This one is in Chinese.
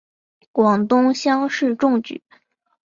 广东乡试中举。